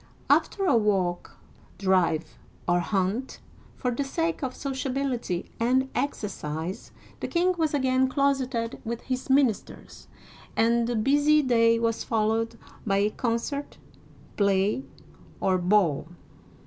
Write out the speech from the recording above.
" After a walk, drive, or hunt, for the sake of sociability and exercise, the king was again closeted with his minis ters ; and the busy day was followed by a concert, play, or ball.